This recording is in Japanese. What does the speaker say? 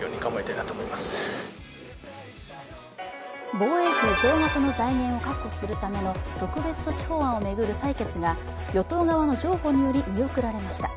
防衛費増額の財源を確保するための特別措置法案を巡る採決が与党側の譲歩により見送られました。